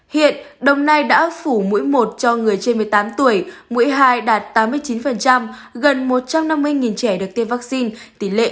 hiện đồng nai đã phủ mũi một cho người trên một mươi tám tuổi mũi hai đạt tám mươi chín gần một trăm năm mươi trẻ được tiêm vaccine tỉ lệ năm mươi hai mươi năm